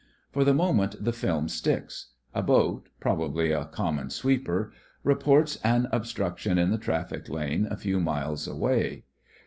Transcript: For the moment the film sticks. A boat — probably a "common sweeper" — reports an obstruction in the traffic lane a few miles away.